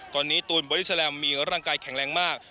ตอนนี้ตูนบอดี้แลมมีร่างกายแข็งแรงมาก